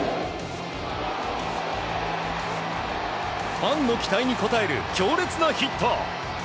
ファンの期待に応える強烈なヒット！